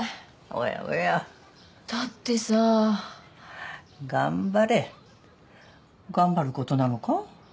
おやおやだってさ頑張れ頑張ることなのか？